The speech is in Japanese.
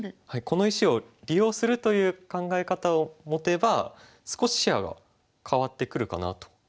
はいこの石を利用するという考え方を持てば少し視野が変わってくるかなと。